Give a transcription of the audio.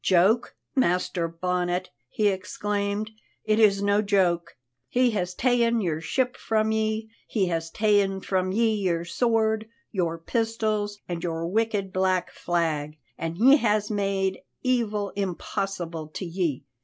"Joke! Master Bonnet," he exclaimed, "it is no joke. He has ta'en your ship from ye; he has ta'en from ye your sword, your pistols, an' your wicked black flag, an' he has made evil impossible to ye.